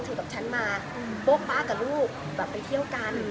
เธอกับฉันมาโป๊ะป๊ากับลูก